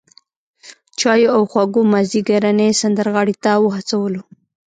چایو او خوږو مازیګرنۍ سمندرغاړې ته وهڅولو.